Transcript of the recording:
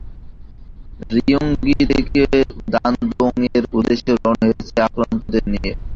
রিয়ুং গি থেকে দানদোংয়ের উদ্দেশ্য রওনা হয়েছে আক্রান্তদেরকে নিয়ে।